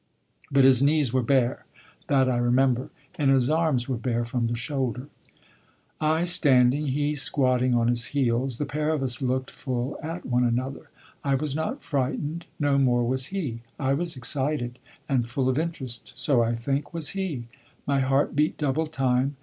But his knees were bare that I remember; and his arms were bare from the shoulder. I standing, he squatting on his heels, the pair of us looked full at one another. I was not frightened, no more was he. I was excited, and full of interest; so, I think, was he. My heart beat double time.